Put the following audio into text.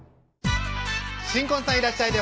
新婚さんいらっしゃい！